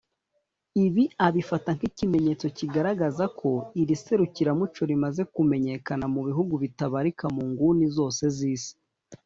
Ibi abifata nk’ikimenyetso kigaragaza ko iri serukiramuco rimaze kumenyekana mu bihugu bitabarika mu nguni zose z’Isi